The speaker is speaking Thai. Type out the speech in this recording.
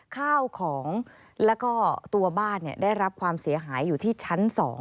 ข้าวของแล้วก็ตัวบ้านได้รับความเสียหายอยู่ที่ชั้น๒